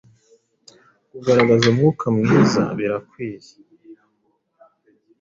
Kugaragaza umwuka mwiza birakwiye